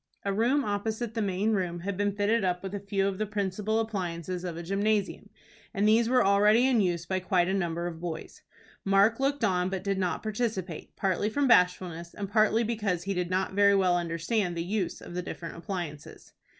A room opposite the main room had been fitted up with a few of the principal appliances of a gymnasium, and these were already in use by quite a number of boys. Mark looked on, but did not participate, partly from bashfulness, and partly because he did not very well understand the use of the different appliances.